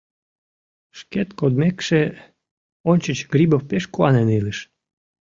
Шкет кодмекше, ончыч Грибов пеш куанен илыш.